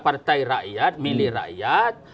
partai rakyat milih rakyat